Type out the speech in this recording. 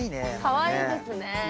かわいいですね。